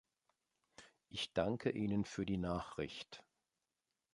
Ich danke Ihnen für die Nachricht.